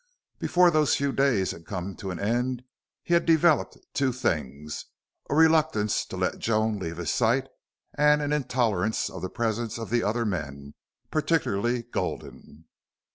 Before those few days had come to an end he had developed two things a reluctance to let Joan leave his sight and an intolerance of the presence of the other men, particularly Gulden.